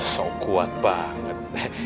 so kuat banget